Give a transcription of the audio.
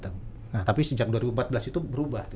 nah tapi sejak dua ribu empat belas itu berubah